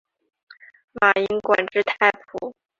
马英官至太仆。